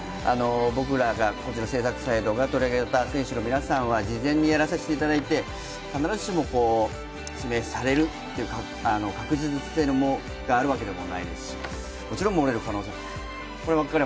僕らが、制作サイドが取り上げた皆さんは事前にやらさせていただいて必ずしも指名されるという確実性があるわけでもないですし、もちろん漏れる可能性もある。